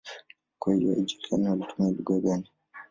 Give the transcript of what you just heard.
Kwa hiyo haijulikani walitumia lugha gani.